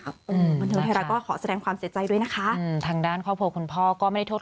หรือเปล่าก็ขอแสดงความเสียใจด้วยนะคะอืมทางด้านครอบครัวคุณพ่อก็ไม่ได้ทด